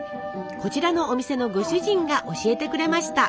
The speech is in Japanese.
こちらのお店のご主人が教えてくれました。